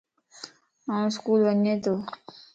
آن اسڪول وڃين تو